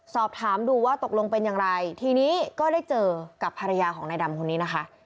สอบถามดูว่าตกลงเป็นอย่างไรทีนี้ก็ได้เจอกับภรรยาของนายดำคนนี้นะคะ